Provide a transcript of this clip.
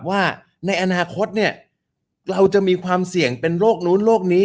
ว่าในอนาคตเนี่ยเราจะมีความเสี่ยงเป็นโรคนู้นโรคนี้